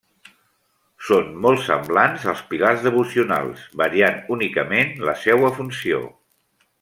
Són molt semblants als pilars devocionals, variant únicament la seua funció.